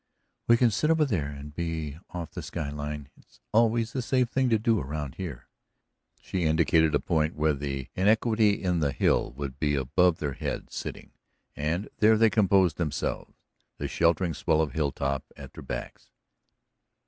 "We can sit over there and be off the sky line. It's always the safe thing to do around here." She indicated a point where an inequality in the hill would be above their heads sitting, and there they composed themselves the sheltering swell of hilltop at their backs.